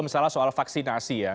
misalnya soal vaksinasi ya